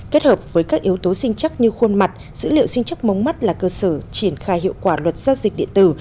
kết hợp với các yếu tố sinh chắc như khuôn mặt dữ liệu sinh chắc mống mắt là cơ sở triển khai hiệu quả luật gia dịch điện tử